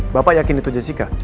bapak yakin itu jessica